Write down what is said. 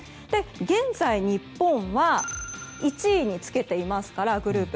現在、日本は１位につけていますからグループ。